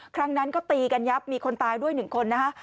ครั้งนั้นก็ตีกันยับมีคนตายด้วยหนึ่งคนนะคะ